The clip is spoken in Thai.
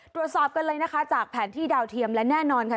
ตรวจสอบกันเลยนะคะจากแผนที่ดาวเทียมและแน่นอนค่ะ